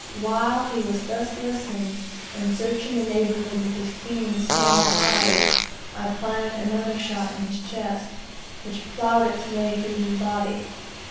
While he was thus listening, and searching the neighbourhood with his keen, small eyes, I planted another shot in his chest, which ploughed its way through his body.